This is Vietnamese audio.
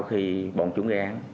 sau khi bọn chúng gây án